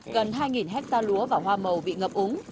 gần hai hectare lúa và hoa màu bị ngập úng